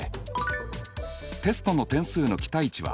テストの点数の期待値は６５。